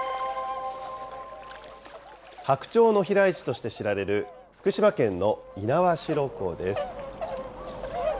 白鳥の飛来地として知られる福島県の猪苗代湖です。